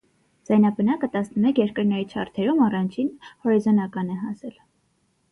Ձայնապնակը տասնմեկ երկրների չարթերում առաջին հորիզոնական է հասել։